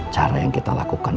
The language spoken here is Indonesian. cara yang kita lakukan